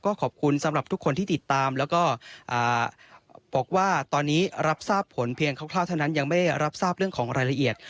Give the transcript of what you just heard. ก็ขอบคุณสำหรับทุกคนที่ติดตามแล้วก็บอกว่าตอนนี้รับทราบผลเพียงคร่าวเท่านั้นยังไม่รับทราบเรื่องของรายละเอียด